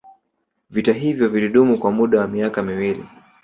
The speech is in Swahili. Vita hivyo vilidumu kwa muda wa miaka miwili